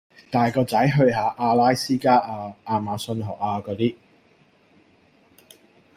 帶個仔去下阿拉斯加呀，亞馬遜河呀果啲